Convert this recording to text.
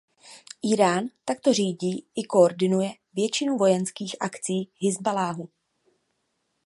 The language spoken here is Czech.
Írán takto řídí i koordinuje většinu vojenských akcí Hizballáhu.